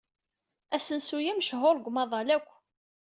Asensu-a mechuṛ deg umaḍal akk.